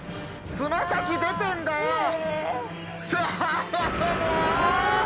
爪先出てんだよ。